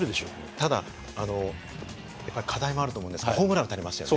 ただやっぱり課題もあると思うんですけどホームラン打たれましたよね。